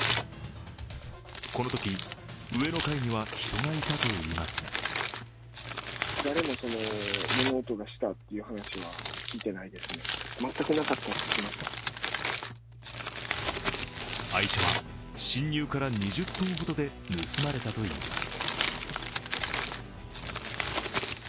このとき上の階には人がいたといいますが愛車は侵入から２０分ほどで盗まれたといいます。